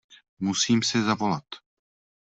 Musím si zavolat.